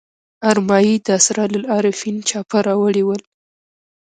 ارمایي د اسرار العارفین چاپه راوړي ول.